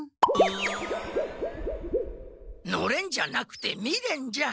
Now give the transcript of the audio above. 「のれん」じゃなくて「みれん」じゃ。